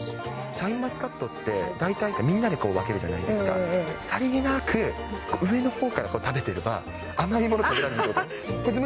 シャインマスカットって、大体みんなで分けるじゃないですか、さりげなく上のほうから食べてれば、甘いもの食べられるということ。